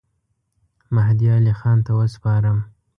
مهدي علي خان ته وسپارم.